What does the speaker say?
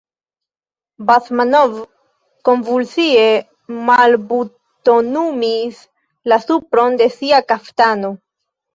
Basmanov konvulsie malbutonumis la supron de sia kaftano.